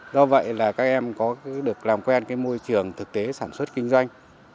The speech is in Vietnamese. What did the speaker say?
do vậy là các em có được làm quen môi trường thực tế sản xuất kinh doanh